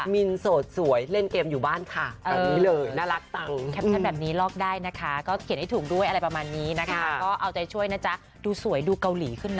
มินโสดสวยเล่นเกมอยู่บ้านค่ะแบบนี้เลยน่ารักจังแคปชั่นแบบนี้ลอกได้นะคะก็เขียนให้ถูกด้วยอะไรประมาณนี้นะคะก็เอาใจช่วยนะจ๊ะดูสวยดูเกาหลีขึ้นนะ